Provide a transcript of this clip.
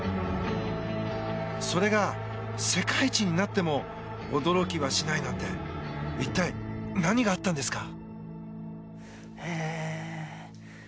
それが、世界一になっても驚きはしないなんて一体何があったんですか？